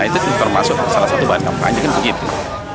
itu termasuk salah satu bahan kampanye kan begitu